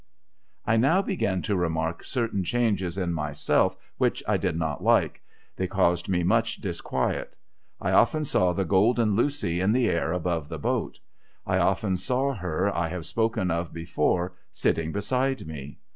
I now began to remark certain changes in myself which I did not like. They caused me much disquiet. I often saw the Golden Lucy in the air above the boat. I often saw her I have spoken of before, sitting beside me.